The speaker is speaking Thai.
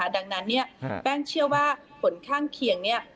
ดังนั้นเนี่ยแป้งเชื่อว่าผลข้างเคียงเนี่ย